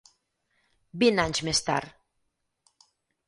Vint anys més tard.